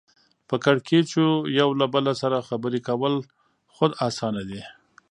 په کېړکیچو یو له بله سره خبرې کول خود اسانه دي